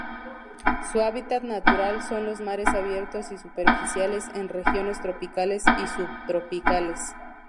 Su hábitat natural son los mares abiertos y superficiales en regiones tropicales y subtropicales.